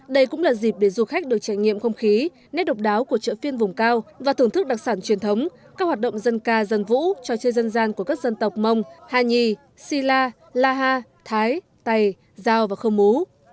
đây cũng là dịp để du khách được trải nghiệm không khí nét độc đáo của chợ phiên vùng cao và thưởng thức đặc sản truyền thống các hoạt động dân ca dân vũ trò chơi dân gian của các dân tộc mông hà nhì si la la ha thái tày giao và khơ mú